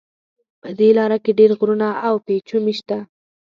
په دې لاره کې ډېر غرونه او پېچومي شته.